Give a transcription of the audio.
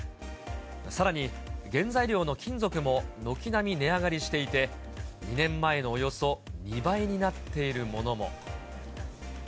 さらに原材料の金属も軒並み値上がりしていて、２年前のおよそ２倍になっているものも。